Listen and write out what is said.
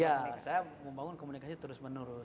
ya saya membangun komunikasi terus menerus